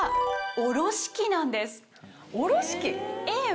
おろし器？